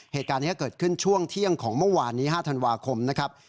เหตุการณ์นี้เกิดขึ้นช่วงเที่ยงของเมื่อวานนี้๕ธันวาคมนะครับ